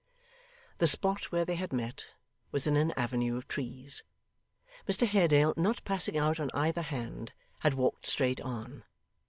The spot where they had met, was in an avenue of trees. Mr Haredale not passing out on either hand, had walked straight on.